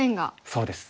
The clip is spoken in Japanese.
そうです。